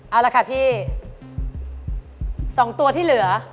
เอาละค่ะพี่๒ตัวที่เหลือ